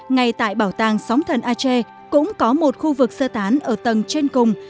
ngay tại bảo tàng sóng thần ache cũng có một khu vực sơ tán ở tầng trên cùng